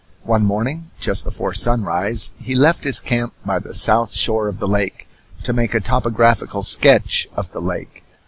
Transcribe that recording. One morning, just before sunrise, he left his camp by the south shore of the lake, to make a topographical sketch of the lake.